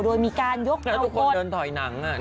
โดยมีการยกหนังแล้วทุกคนเดินถอยหลังอ่ะ